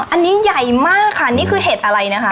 อันนี้ใหญ่มากค่ะนี่คือเห็ดอะไรนะคะ